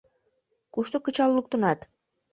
Кушто кычал луктынат?